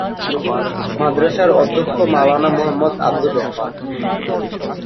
মাদ্রাসার অধ্যক্ষ মাওলানা মুহাম্মদ আবদুর রহমান।